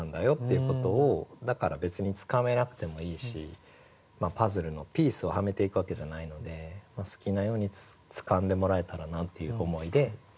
だから別につかめなくてもいいしパズルのピースをはめていくわけじゃないので好きなようにつかんでもらえたらなっていう思いで書いてみました。